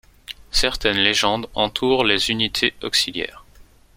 Certaines légendes entourent les unités auxiliaires.